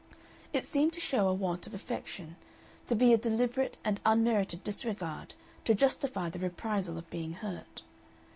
It seemed to show a want of affection, to be a deliberate and unmerited disregard, to justify the reprisal of being hurt.